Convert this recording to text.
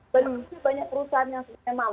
belum sih banyak perusahaan yang sebenarnya mampu